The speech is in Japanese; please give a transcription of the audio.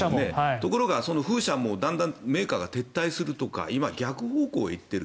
ところがその風車もだんだんメーカーが撤退するとか今、逆方向へ行っている。